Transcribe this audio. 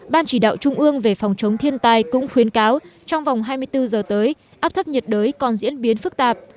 ban chỉ đạo trung ương về phòng chống thiên tai cũng khuyến cáo trong vòng hai mươi bốn giờ tới áp thấp nhiệt đới còn diễn biến phức tạp